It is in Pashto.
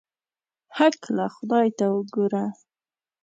هکله خدای ته وګوره.